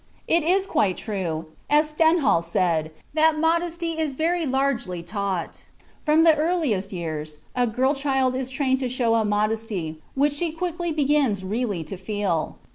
It is quite true, as Stendhal said, that modesty is very largely taught; from the earliest years, a girl child is trained to show a modesty which she quickly begins really to feel.